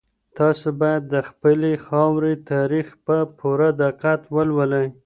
تاسو بايد د خپلي خاوري تاريخ په پوره دقت ولولئ.